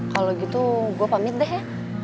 kalo gitu gua pamit deh ya